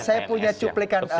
saya punya cuplikan